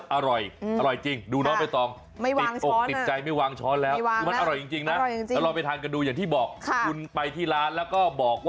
ไปลองกันดูชอบลองติดอกสิดใจอันนี้ไม่ได้โม้